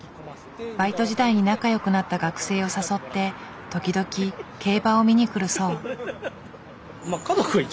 バイト時代に仲よくなった学生を誘って時々競馬を見に来るそう。